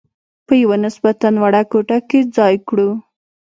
په یوه نسبتاً وړه کوټه کې ځای کړو.